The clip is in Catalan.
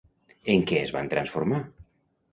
En què es van transformar?